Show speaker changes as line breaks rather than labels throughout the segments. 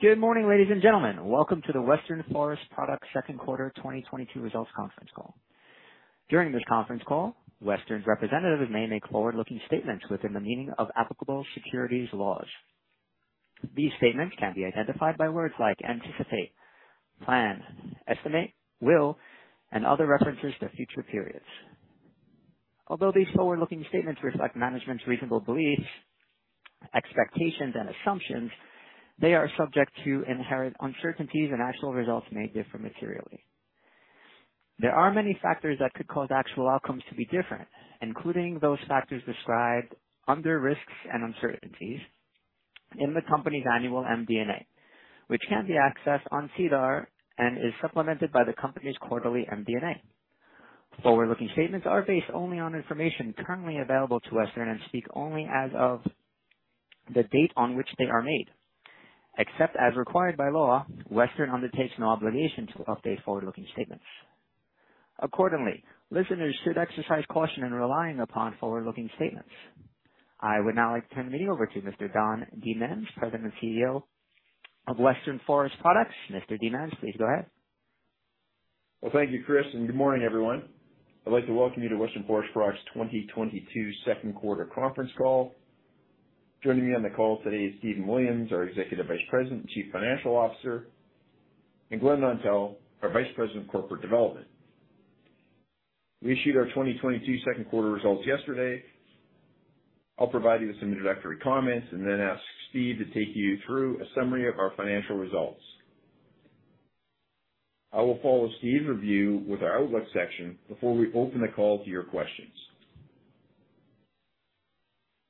Good morning, ladies and gentlemen. Welcome to the Western Forest Products Second Quarter 2022 Results Conference Call. During this conference call, Western's representatives may make forward-looking statements within the meaning of applicable securities laws. These statements can be identified by words like anticipate, plan, estimate, will, and other references to future periods. Although these forward-looking statements reflect management's reasonable beliefs, expectations, and assumptions, they are subject to inherent uncertainties, and actual results may differ materially. There are many factors that could cause actual outcomes to be different, including those factors described under Risks and Uncertainties in the company's annual MD&A, which can be accessed on SEDAR and is supplemented by the company's quarterly MD&A. Forward-looking statements are based only on information currently available to Western and speak only as of the date on which they are made. Except as required by law, Western undertakes no obligation to update forward-looking statements. Accordingly, listeners should exercise caution in relying upon forward-looking statements. I would now like to hand it over to Mr. Don Demens, President and Chief Executive Officer of Western Forest Products. Mr. Demens, please go ahead.
Well, thank you, Chris, and good morning, everyone. I'd like to welcome you to Western Forest Products' 2022 second quarter conference call. Joining me on the call today is Steve Williams, our Executive Vice President and Chief Financial Officer, and Glen Nontell, our Vice President of Corporate Development. We issued our 2022 second quarter results yesterday. I'll provide you with some introductory comments and then ask Steve to take you through a summary of our financial results. I will follow Steve's review with our outlook section before we open the call to your questions.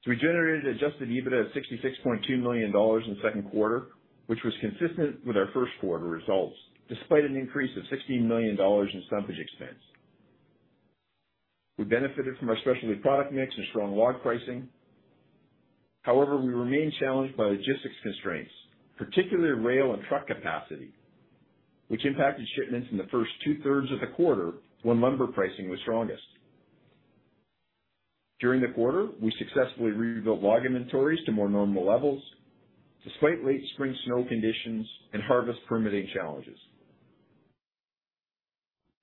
We generated adjusted EBITDA of 66.2 million dollars in the second quarter, which was consistent with our first quarter results, despite an increase of 16 million dollars in stumpage expense. We benefited from our specialty product mix and strong log pricing. However, we remain challenged by logistics constraints, particularly rail and truck capacity, which impacted shipments in the first two-thirds of the quarter when lumber pricing was strongest. During the quarter, we successfully rebuilt log inventories to more normal levels, despite late spring snow conditions and harvest permitting challenges.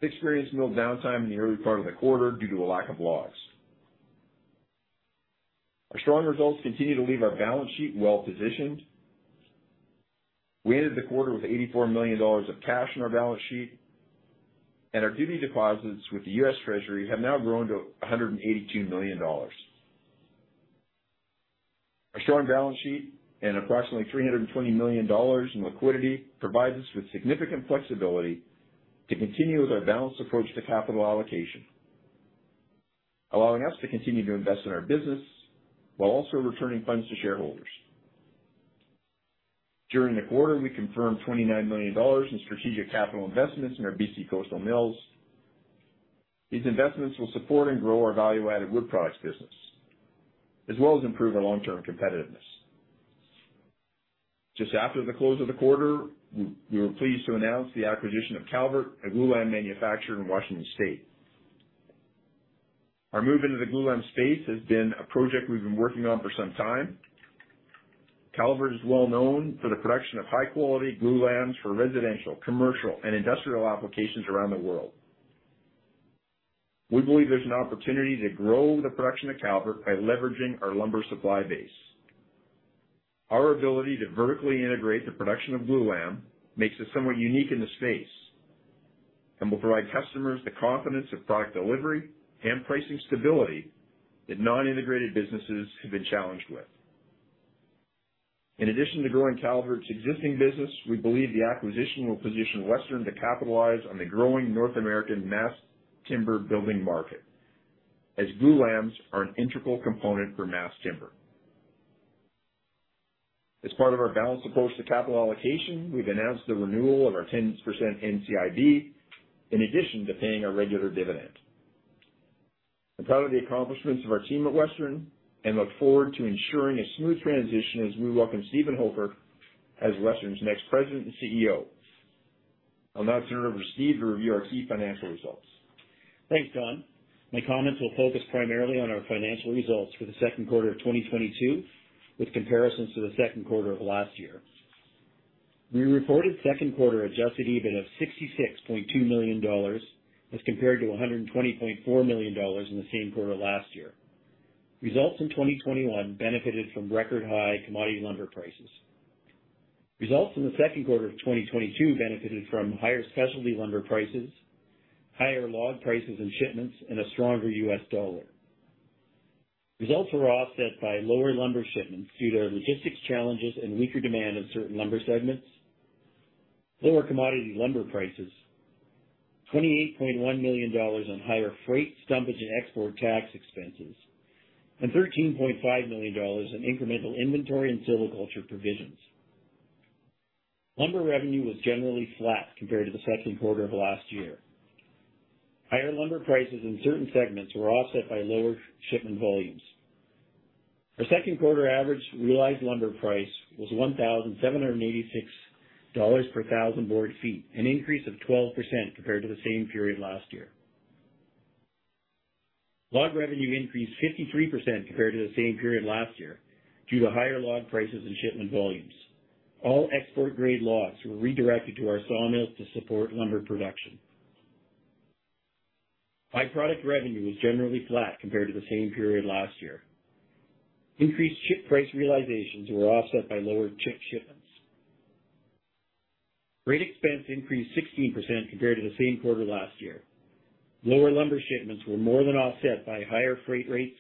Experienced mill downtime in the early part of the quarter due to a lack of logs. Our strong results continue to leave our balance sheet well-positioned. We ended the quarter with 84 million dollars of cash on our balance sheet, and our duty deposits with the U.S. Treasury have now grown to $182 million. Our strong balance sheet and approximately 320 million dollars in liquidity provide us with significant flexibility to continue with our balanced approach to capital allocation, allowing us to continue to invest in our business while also returning funds to shareholders. During the quarter, we confirmed 29 million dollars in strategic capital investments in our BC coastal mills. These investments will support and grow our value-added wood products business as well as improve our long-term competitiveness. Just after the close of the quarter, we were pleased to announce the acquisition of Calvert, a glulam manufacturer in Washington State. Our move into the glulam space has been a project we've been working on for some time. Calvert is well known for the production of high-quality glulams for residential, commercial, and industrial applications around the world. We believe there's an opportunity to grow the production of Calvert by leveraging our lumber supply base. Our ability to vertically integrate the production of glulam makes us somewhat unique in the space, and will provide customers the confidence of product delivery and pricing stability that non-integrated businesses have been challenged with. In addition to growing Calvert's existing business, we believe the acquisition will position Western to capitalize on the growing North American mass timber building market, as glulams are an integral component for mass timber. As part of our balanced approach to capital allocation, we've announced the renewal of our 10% NCIB in addition to paying our regular dividend. I'm proud of the accomplishments of our team at Western and look forward to ensuring a smooth transition as we welcome Steven Hofer as Western's next President and Chief Executive Officer. I'll now turn it over to Steve to review our key financial results.
Thanks, Don. My comments will focus primarily on our financial results for the second quarter of 2022, with comparisons to the second quarter of last year. We reported second quarter adjusted EBIT of 66.2 million dollars as compared to 120.4 million dollars in the same quarter last year. Results in 2021 benefited from record high commodity lumber prices. Results in the second quarter of 2022 benefited from higher specialty lumber prices, higher log prices and shipments, and a stronger U.S. dollar. Results were offset by lower lumber shipments due to logistics challenges and weaker demand in certain lumber segments, lower commodity lumber prices, 28.1 million dollars on higher freight, stumpage, and export tax expenses, and 13.5 million dollars in incremental inventory and silviculture provisions. Lumber revenue was generally flat compared to the second quarter of last year. Higher lumber prices in certain segments were offset by lower shipment volumes. Our second quarter average realized lumber price was $1,786 per thousand board feet, an increase of 12% compared to the same period last year. Log revenue increased 53% compared to the same period last year due to higher log prices and shipment volumes. All export grade logs were redirected to our sawmills to support lumber production. By-product revenue was generally flat compared to the same period last year. Increased chip price realizations were offset by lower chip shipments. Freight expense increased 16% compared to the same quarter last year. Lower lumber shipments were more than offset by higher freight rates,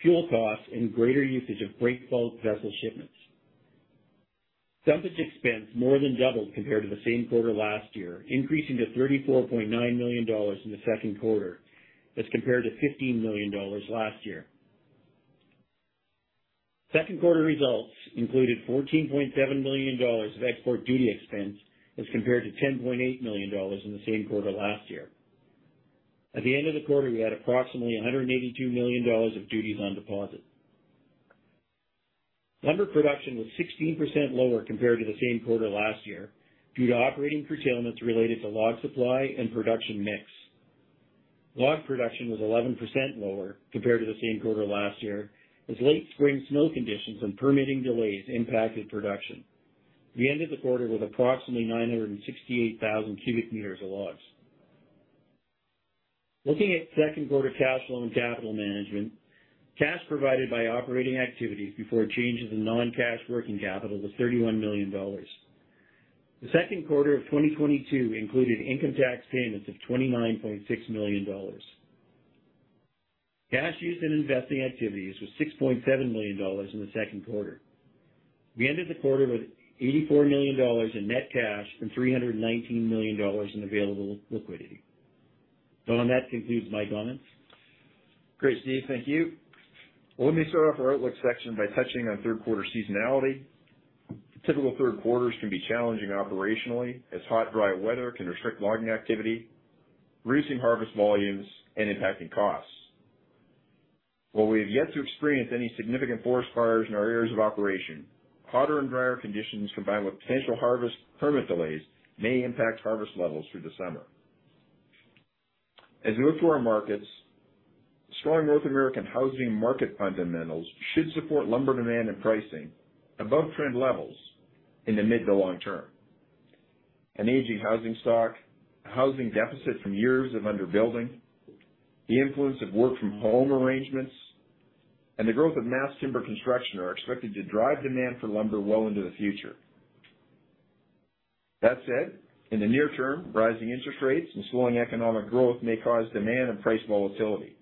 fuel costs, and greater usage of break bulk vessel shipments. Stumpage expense more than doubled compared to the same quarter last year, increasing to 34.9 million dollars in the second quarter as compared to 15 million dollars last year. Second quarter results included 14.7 million dollars of export duty expense as compared to 10.8 million dollars in the same quarter last year. At the end of the quarter, we had approximately 182 million dollars of duties on deposit. Lumber production was 16% lower compared to the same quarter last year due to operating curtailments related to log supply and production mix. Log production was 11% lower compared to the same quarter last year, as late spring snow conditions and permitting delays impacted production. We ended the quarter with approximately 968,000 cubic meters of logs. Looking at second quarter cash flow and capital management, cash provided by operating activities before changes in non-cash working capital was 31 million dollars. The second quarter of 2022 included income tax payments of 29.6 million dollars. Cash used in investing activities was 6.7 million dollars in the second quarter. We ended the quarter with 84 million dollars in net cash and 319 million dollars in available liquidity. On that, concludes my comments.
Great, Steve. Thank you. Well, let me start off our outlook section by touching on third quarter seasonality. Typical third quarters can be challenging operationally, as hot, dry weather can restrict logging activity, reducing harvest volumes and impacting costs. While we have yet to experience any significant forest fires in our areas of operation, hotter and drier conditions combined with potential harvest permit delays may impact harvest levels through the summer. As we look to our markets, strong North American housing market fundamentals should support lumber demand and pricing above trend levels in the mid to long term. An aging housing stock, a housing deficit from years of under-building, the influence of work from home arrangements, and the growth of mass timber construction are expected to drive demand for lumber well into the future. That said, in the near term, rising interest rates and slowing economic growth may cause demand and price volatility.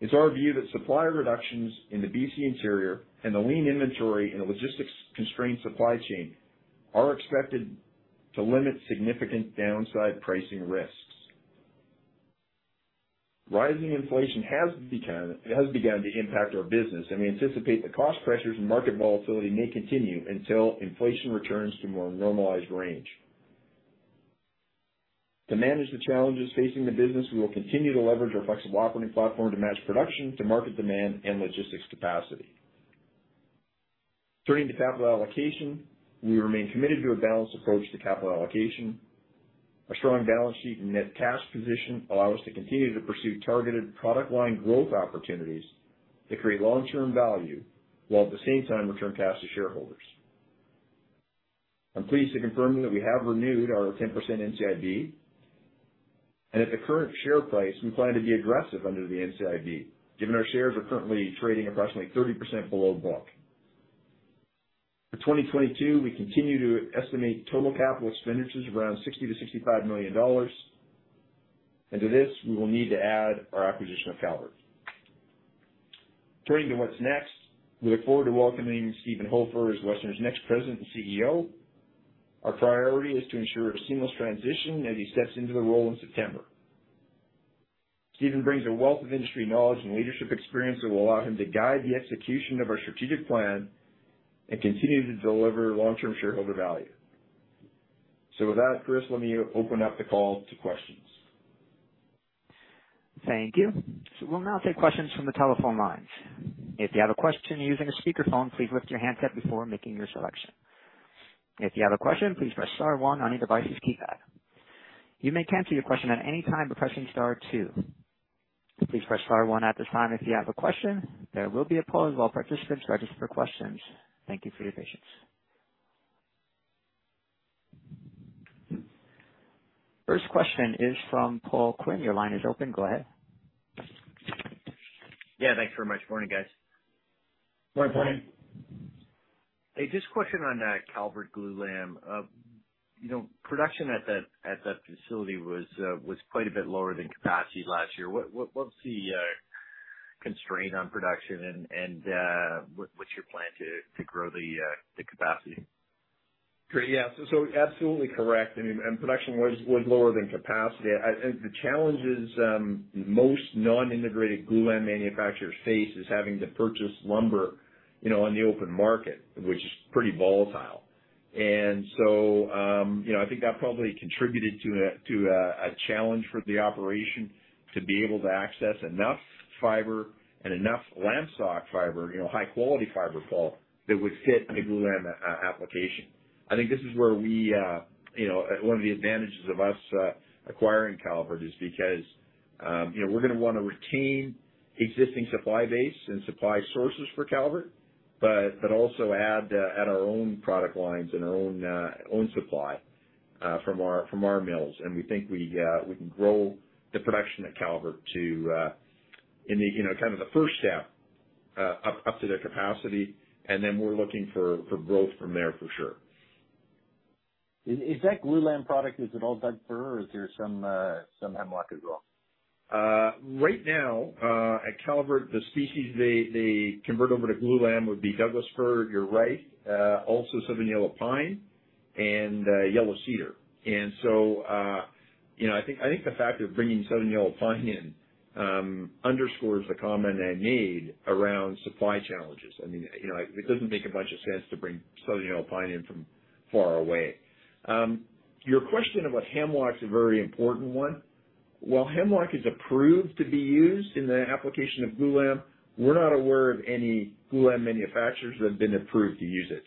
It's our view that supplier reductions in the BC interior and the lean inventory in a logistics-constrained supply chain are expected to limit significant downside pricing risks. Rising inflation has begun to impact our business, and we anticipate the cost pressures and market volatility may continue until inflation returns to more normalized range. To manage the challenges facing the business, we will continue to leverage our flexible operating platform to match production to market demand and logistics capacity. Turning to capital allocation, we remain committed to a balanced approach to capital allocation. Our strong balance sheet and net cash position allow us to continue to pursue targeted product line growth opportunities that create long-term value, while at the same time return cash to shareholders. I'm pleased to confirm that we have renewed our 10% NCIB, and at the current share price, we plan to be aggressive under the NCIB, given our shares are currently trading approximately 30% below book. For 2022, we continue to estimate total capital expenditures of around 60 million-65 million dollars, and to this, we will need to add our acquisition of Calvert. Turning to what's next, we look forward to welcoming Steven Hofer as Western Forest Products' next president and Chief Executive Officer. Our priority is to ensure a seamless transition as he steps into the role in September. Steven brings a wealth of industry knowledge and leadership experience that will allow him to guide the execution of our strategic plan and continue to deliver long-term shareholder value. With that, Chris, let me open up the call to questions.
Thank you. We'll now take questions from the telephone lines. If you have a question using a speakerphone, please lift your handset before making your selection. If you have a question, please press star one on your device's keypad. You may cancel your question at any time by pressing star two. Please press star one at this time if you have a question. There will be a pause while participants register for questions. Thank you for your patience. First question is from Paul Quinn. Your line is open. Go ahead.
Yeah, thanks very much. Morning, guys.
Morning, Paul.
Morning.
Hey, just a question on Calvert glulam. You know, production at that facility was quite a bit lower than capacity last year. What's the constraint on production and what's your plan to grow the capacity?
Great. Yeah, so absolutely correct. I mean, production was lower than capacity. The challenges most non-integrated glulam manufacturers face is having to purchase lumber, you know, on the open market, which is pretty volatile. You know, I think that probably contributed to a challenge for the operation to be able to access enough fiber and enough lamstock fiber, you know, high quality fiber, Paul, that would fit a glulam application. I think this is where we, you know, one of the advantages of us acquiring Calvert is because, you know, we're gonna wanna retain existing supply base and supply sources for Calvert, but also add our own product lines and our own supply from our mills. We think we can grow the production at Calvert to, you know, kind of the first step up to their capacity, and then we're looking for growth from there for sure.
Is that glulam product, is it all Doug fir or is there some hemlock as well?
Right now, at Calvert, the species they convert over to glulam would be Douglas fir, you're right. Also southern yellow pine and yellow cedar. You know, I think the fact they're bringing southern yellow pine in underscores the comment I made around supply challenges. I mean, you know, it doesn't make a bunch of sense to bring southern yellow pine in from far away. Your question about hemlock's a very important one. While hemlock is approved to be used in the application of glulam, we're not aware of any glulam manufacturers that have been approved to use it.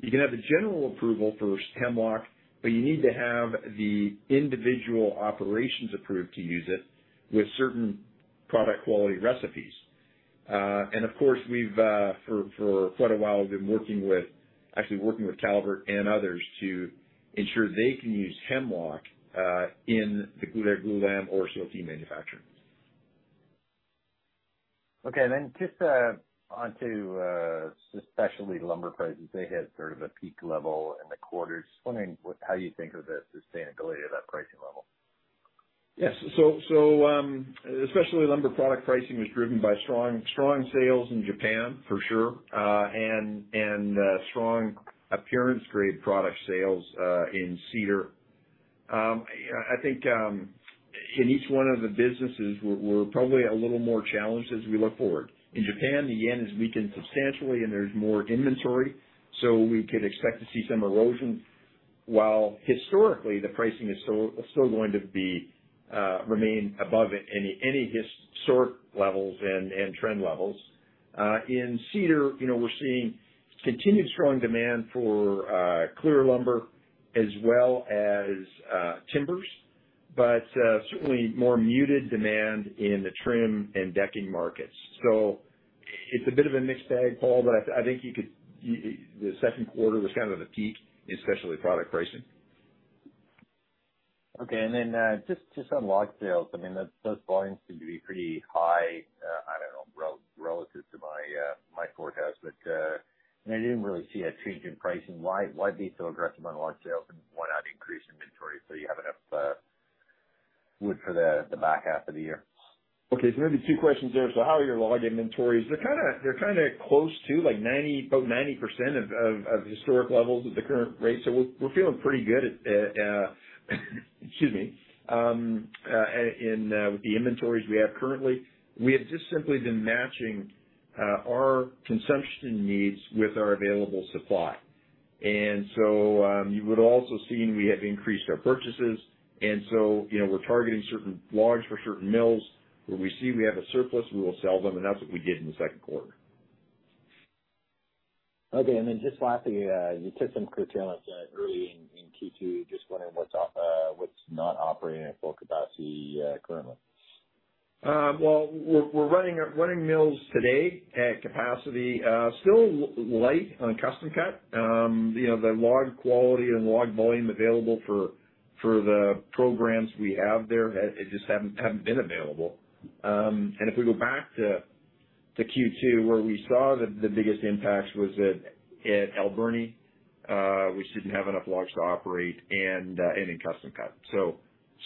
You can have the general approval for hemlock, but you need to have the individual operations approved to use it with certain product quality recipes. Of course, we've for quite a while been working with, actually working with Calvert and others to ensure they can use hemlock in the glulam or CLT manufacturing.
Just onto specialty lumber prices. They hit sort of a peak level in the quarter. Just wondering how you think of the sustainability of that pricing level?
Yes. Especially lumber product pricing was driven by strong sales in Japan for sure, and strong appearance grade product sales in cedar. I think in each one of the businesses, we're probably a little more challenged as we look forward. In Japan, the yen has weakened substantially and there's more inventory, so we could expect to see some erosion. While historically, the pricing is still going to remain above any historic levels and trend levels. In cedar, you know, we're seeing continued strong demand for clear lumber as well as timbers, but certainly more muted demand in the trim and decking markets. It's a bit of a mixed bag, Paul, but I think you could... The second quarter was kind of the peak in specialty product pricing.
Okay. Just on log sales, I mean, those volumes seem to be pretty high, I don't know, relative to my forecast. I didn't really see a change in pricing. Why be so aggressive on log sales and why not increase inventory so you have enough wood for the back half of the year?
Okay. Maybe two questions there. How are your log inventories? They're kinda close to, like, about 90% of historic levels at the current rate. We're feeling pretty good with the inventories we have currently. We have just simply been matching our consumption needs with our available supply. You would also see we have increased our purchases, you know, we're targeting certain logs for certain mills. Where we see we have a surplus, we will sell them, and that's what we did in the second quarter.
Okay. Just lastly, you took some curtailments early in Q2. Just wondering what's not operating at full capacity currently.
Well, we're running our mills today at capacity. Still light on custom cut. You know, the log quality and log volume available for the programs we have there it just haven't been available. If we go back to Q2 where we saw the biggest impacts was at Eburne, we just didn't have enough logs to operate and in custom cut.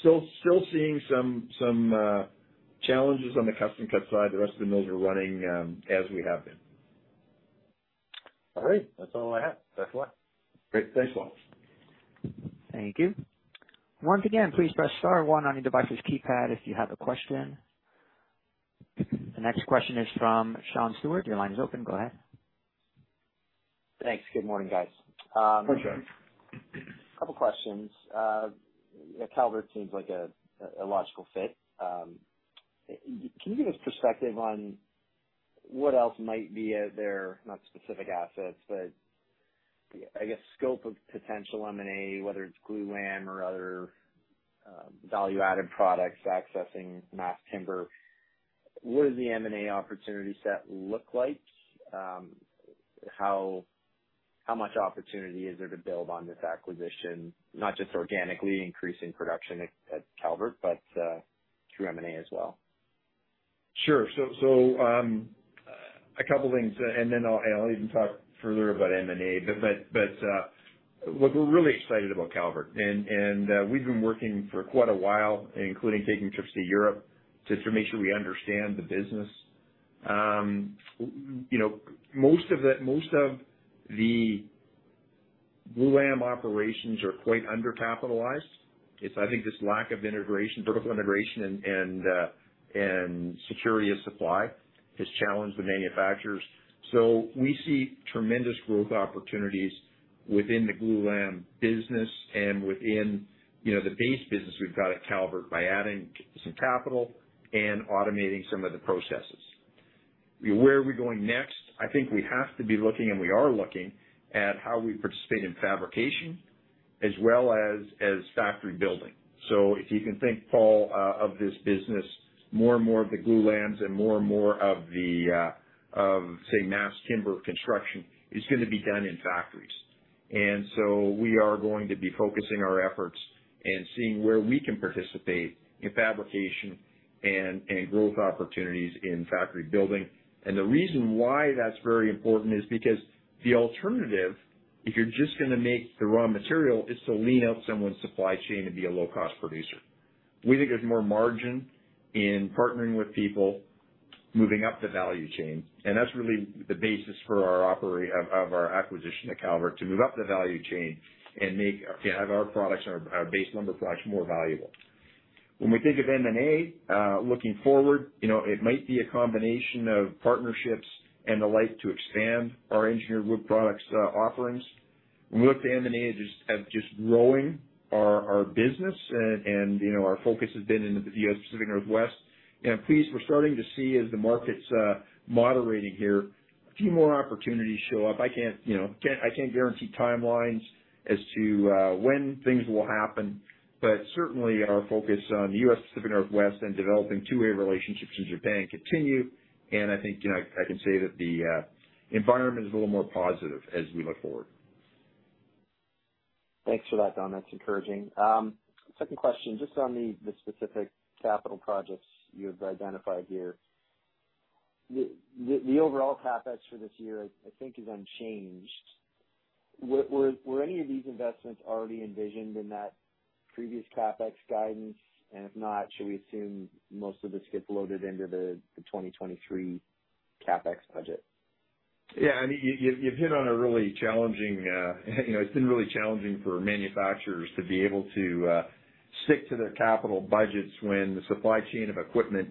Still seeing some challenges on the custom cut side. The rest of the mills are running as we have been.
All right. That's all I have. Thanks a lot.
Great. Thanks, Paul.
Thank you. Once again, please press star one on your device's keypad if you have a question. The next question is from Sean Steuart. Your line is open. Go ahead.
Thanks. Good morning, guys.
Hi, Sean.
Couple questions. You know, Calvert seems like a logical fit. Can you give us perspective on what else might be out there, not specific assets, but I guess scope of potential M&A, whether it's glulam or other value-added products accessing mass timber. What does the M&A opportunity set look like? How much opportunity is there to build on this acquisition? Not just organically increasing production at Calvert, but through M&A as well?
Sure. A couple things, and then I'll even talk further about M&A. Look, we're really excited about Calvert and we've been working for quite a while, including taking trips to Europe, just to make sure we understand the business. You know, most of the glulam operations are quite undercapitalized. It's, I think, this lack of integration, vertical integration and security of supply has challenged the manufacturers. We see tremendous growth opportunities within the glulam business and within, you know, the base business we've got at Calvert by adding some capital and automating some of the processes. Where are we going next? I think we have to be looking, and we are looking, at how we participate in fabrication as well as factory building. If you can think, Paul, of this business, more and more of the glulams and more and more of, say, mass timber construction is gonna be done in factories. We are going to be focusing our efforts and seeing where we can participate in fabrication and growth opportunities in factory building. The reason why that's very important is because the alternative, if you're just gonna make the raw material, is to lean out someone's supply chain and be a low-cost producer. We think there's more margin in partnering with people, moving up the value chain, and that's really the basis for our acquisition of Calvert, to move up the value chain and make, you know, have our products and our base lumber products more valuable. When we think of M&A, looking forward, you know, it might be a combination of partnerships and the like to expand our engineered wood products offerings. We look to M&A just of growing our business and, you know, our focus has been in the U.S. Pacific Northwest. I'm pleased we're starting to see, as the market's moderating here, a few more opportunities show up. I can't, you know, guarantee timelines as to when things will happen, but certainly our focus on U.S. Pacific Northwest and developing two-way relationships in Japan continue. I think, you know, I can say that the environment is a little more positive as we look forward.
Thanks for that, Don. That's encouraging. Second question, just on the specific capital projects you have identified here. The overall CapEx for this year I think is unchanged. Were any of these investments already envisioned in that previous CapEx guidance? If not, should we assume most of this gets loaded into the 2023 CapEx budget?
Yeah. I mean, you've hit on a really challenging. You know, it's been really challenging for manufacturers to be able to stick to their capital budgets when the supply chain of equipment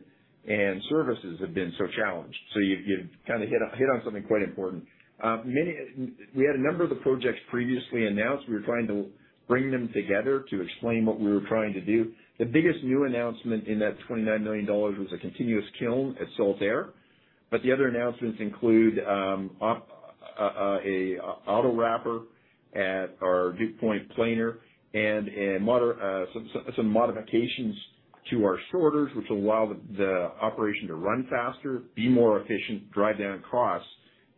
and services have been so challenged. You've kinda hit on something quite important. We had a number of the projects previously announced. We were trying to bring them together to explain what we were trying to do. The biggest new announcement in that 29 million dollars was a continuous kiln at Saltair, but the other announcements include a autobander at our Viewpoint planer and some modifications to our sorters, which will allow the operation to run faster, be more efficient, drive down costs.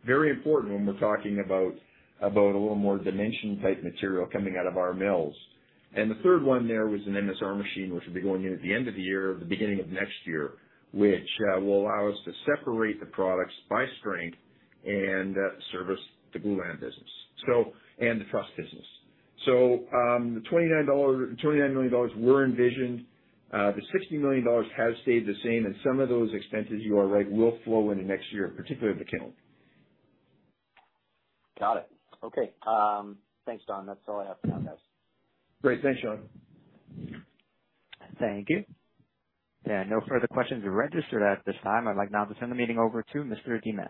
Very important when we're talking about a little more dimension-type material coming out of our mills. The third one there was an MSR machine, which will be going in at the end of the year or the beginning of next year, which will allow us to separate the products by strength and service the glulam business, the truss business. The 29 million dollars were envisioned. The 60 million dollars has stayed the same, and some of those expenses, you are right, will flow into next year, particularly the kiln.
Got it. Okay. Thanks, Don. That's all I have for now, guys.
Great. Thanks, Sean.
Thank you. There are no further questions registered at this time. I'd like now to turn the meeting over to Mr. Demens.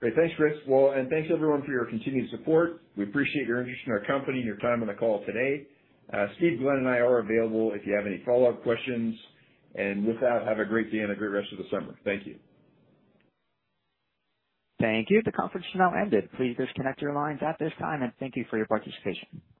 Great. Thanks, Chris. Well, and thanks, everyone, for your continued support. We appreciate your interest in our company and your time on the call today. Steve, Glen, and I are available if you have any follow-up questions. With that, have a great day and a great rest of the summer. Thank you.
Thank you. The conference is now ended. Please disconnect your lines at this time, and thank you for your participation.